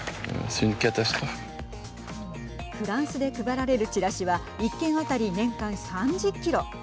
フランスで配られるチラシは１軒当たり年間３０キロ。